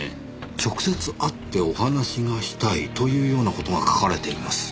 「直接会ってお話がしたい」というような事が書かれています。